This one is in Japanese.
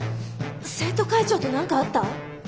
生徒会長と何かあった？